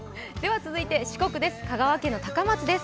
続いて四国です。